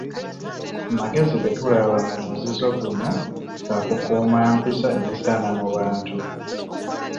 Amagezi ge tulaba mu muzizo guno ga kukuuma mpisa ezisaana mu bantu.